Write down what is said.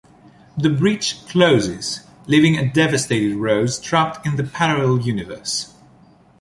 The breach closes, leaving a devastated Rose trapped in the parallel universe.